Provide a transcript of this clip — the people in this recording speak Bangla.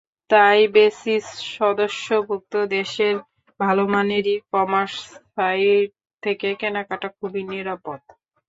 তাই বেসিস সদস্যভুক্ত দেশের ভালোমানের ই-কমার্স সাইট থেকে কেনাকাটা খুবই নিরাপদ।